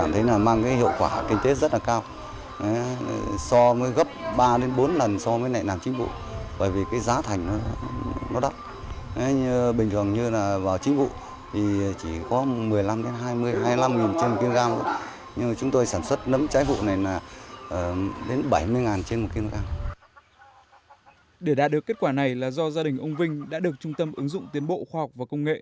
để đạt được kết quả này là do gia đình ông vinh đã được trung tâm ứng dụng tiến bộ khoa học và công nghệ